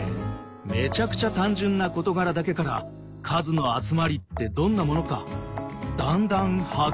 めちゃくちゃ単純な事柄だけから「数」の集まりってどんなものかだんだんハッキリしてきたね。